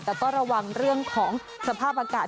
แต่ก็ระวังเรื่องของสภาพอากาศ